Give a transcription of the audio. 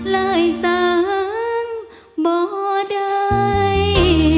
เลยสังบ่ได้